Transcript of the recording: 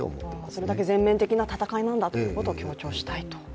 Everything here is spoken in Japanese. それだけ全面的な戦いなんだということを強調したいと。